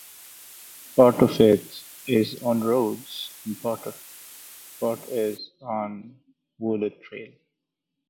Part of it is on roads and part is on wooded trail.